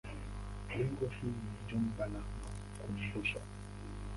Leo hii ni jumba la makumbusho.